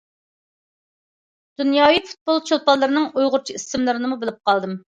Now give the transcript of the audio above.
دۇنياۋى پۇتبول چولپانلىرىنىڭ ئۇيغۇرچە ئىسىملىرىنىمۇ بىلىپ قالدىم.